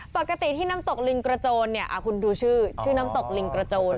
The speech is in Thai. ปกติที่น้ำตกลิงกระโจนเนี่ยคุณดูชื่อชื่อน้ำตกลิงกระโจน